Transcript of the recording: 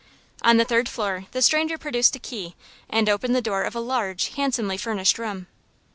On the third floor the stranger produced a key and opened the door of a large, handsomely furnished room.